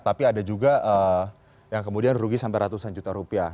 tapi ada juga yang kemudian rugi sampai ratusan juta rupiah